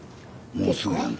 もうすぐやんか。